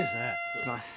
いきます。